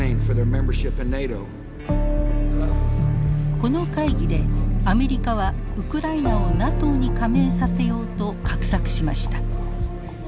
この会議でアメリカはウクライナをＮＡＴＯに加盟させようと画策しました。